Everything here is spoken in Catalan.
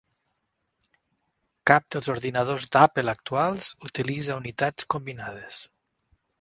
Cap dels ordinadors d'Apple actuals utilitza unitats combinades.